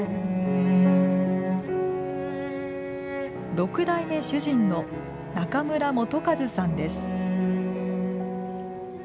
六代目主人の中村元計さんです。